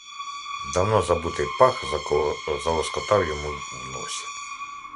Давно забутий пах залоскотав йому в носі.